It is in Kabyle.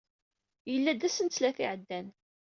Yella-d ass n ttlata i iɛeddan.